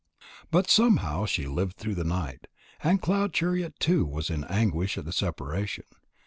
But somehow she lived through the night. And Cloud chariot too was in anguish at the separation.